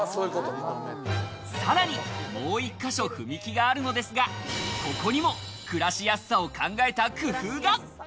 さらにもう１か所、踏み木があるのですが、ここにも暮らしやすさを考えた工夫が。